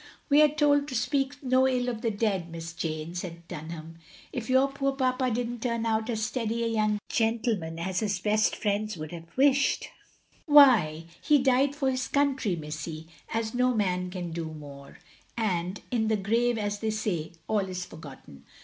"We are told to speak no ill of the dead. Miss Jane," said Dunham. "If your poor papa did n't turn out as steady a yotmg gentleman as his best friends would have wished, why he died for his country, missy, as no man can do more — and in the grave, as they say, all is forgotten.